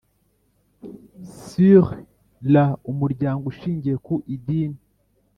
Sur la umuryango ushingiye ku idini